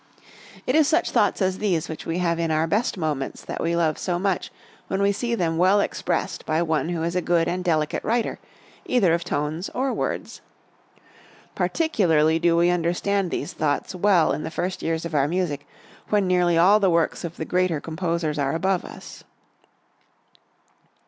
It is such thoughts as these which we have in our best moments that we love so much when we see them well expressed by one who is a good and delicate writer, either of tones or words. Particularly do we understand these thoughts well in the first years of our music when nearly all the works of the greater composers are above us.